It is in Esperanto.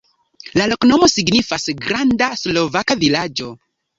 La loknomo signifas: granda-slovaka-vilaĝo.